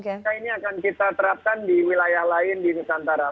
maka ini akan kita terapkan di wilayah lain di nusantara